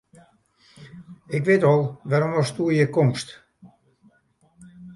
Ik wit al wêrom ast hjir komst.